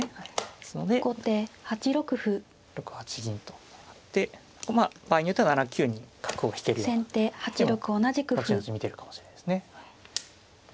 ですので６八銀と上がって場合によっては７九に角を引けるような手は後々見てるかもしれないですね。